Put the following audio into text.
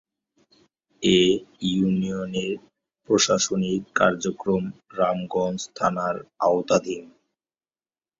এ ইউনিয়নের প্রশাসনিক কার্যক্রম রামগঞ্জ থানার আওতাধীন।